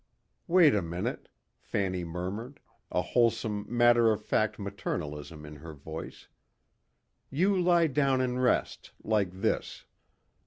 "Wait a minute," Fanny murmured, a wholesome matter of fact maternalism in her voice, "you lie down and rest ... like this."